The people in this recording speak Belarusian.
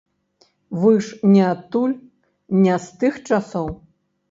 Вы ж не адтуль, не з тых часоў.